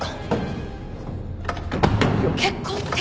結婚って？